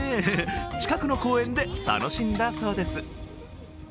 近くの公園で楽しんだそうです。